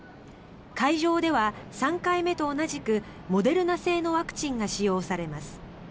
会場では３回目と同じくモデルナ製のワクチンが使用されます。